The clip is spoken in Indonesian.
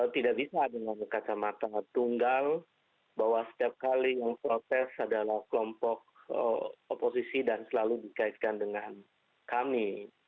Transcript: tidak bisa dengan kacamata tunggal bahwa setiap kali yang protes adalah kelompok oposisi dan selalu dikaitkan dengan kami